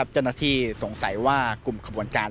เจ้าหน้าที่สงสัยว่ากลุ่มขบวนการ